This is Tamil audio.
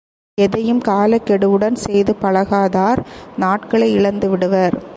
எதையும் காலக் கெடுவுடன் செய்து பழகாதார் நாட்களை இழந்துவிடுவர்.